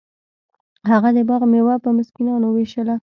هغه د باغ میوه په مسکینانو ویشله.